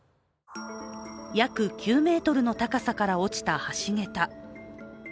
約９ｍの高さから落ちた橋桁。